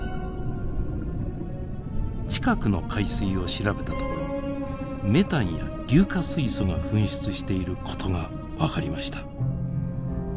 近くの海水を調べたところメタンや硫化水素が噴出していることが分かりました。